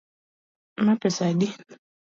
Ma pesa adi?